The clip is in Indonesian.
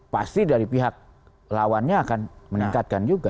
pasti dari pihak lawannya akan meningkatkan juga